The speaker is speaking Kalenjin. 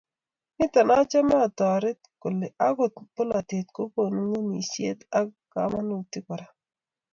nito, achame atare kole akot bolatet kokonu ngemisiet ak kamanutik kora